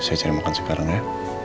saya cari makan sekarang ya